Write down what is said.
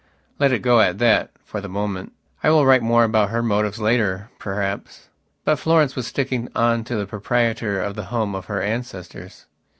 Let it go at that, for the moment. I will write more about her motives later, perhaps. But Florence was sticking on to the proprietor of the home of her ancestors.